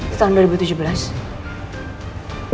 di tahun dua ribu tujuh belas